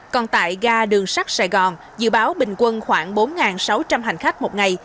còn tại ga đường sắt sài gòn dự báo bình quân khoảng bốn sáu trăm linh hành khách một ngày